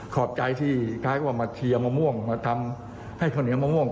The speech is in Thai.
ขอบใจที่คล้ายว่ามาเชียร์มะม่วงมาทำให้ข้าวเหนียวมะม่วง